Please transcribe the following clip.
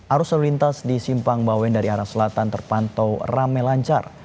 arus lalu lintas di simpang bawen dari arah selatan terpantau rame lancar